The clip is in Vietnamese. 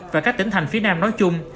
và các tỉnh thành phía nam nói chung